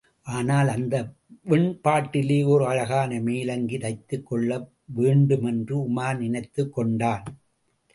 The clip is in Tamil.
ஆனால், அந்த வெண்பட்டிலே ஓர் அழகான மேலங்கி தைத்துக் கொள்ள வேண்டுமென்று உமார் நினைத்துக் கொண்டான்.